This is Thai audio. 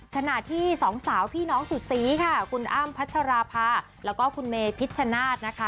ขณะที่สองสาวพี่น้องสุดสีค่ะคุณอ้ำพัชราภาแล้วก็คุณเมพิชชนาธิ์นะคะ